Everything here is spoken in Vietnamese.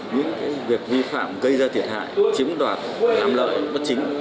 những việc vi phạm gây ra thiệt hại chiếm đoạt làm lợi bất chính